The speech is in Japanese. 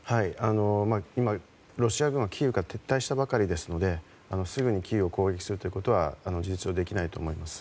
今、ロシア軍はキーウから撤退したばかりなのですぐにキーウを攻撃することは事実上できないと思います。